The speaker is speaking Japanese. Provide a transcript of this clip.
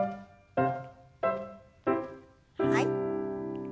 はい。